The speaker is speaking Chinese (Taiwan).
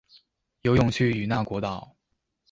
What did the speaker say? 游泳去與那國島